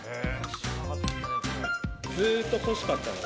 ずっと欲しかったの？